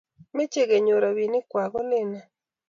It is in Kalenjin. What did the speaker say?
meche konyor robinikwai kolene?